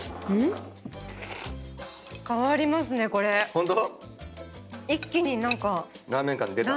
ホント？